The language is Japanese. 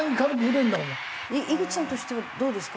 井口さんとしてはどうですか？